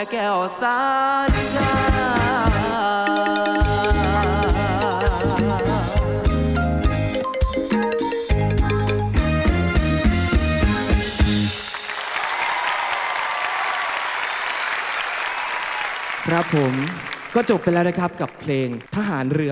เอ่อเอ่อเอ่อเอ่อเอ่อเอ่อเอ่อ